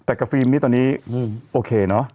แต่กับฟิล์มนี่ตอนนี้โอเคเนอะ